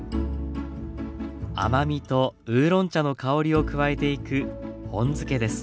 甘みとウーロン茶の香りを加えていく本漬けです。